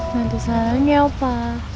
tentu saranghae opa